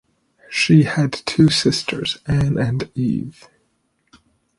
She had two sisters, Ann and Eve.